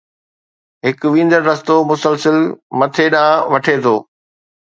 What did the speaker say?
هڪ ويندڙ رستو مسلسل مٿي ڏانهن وٺي ٿو.